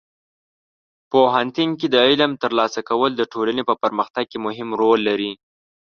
پوهنتون کې د علم ترلاسه کول د ټولنې په پرمختګ کې مهم رول لري.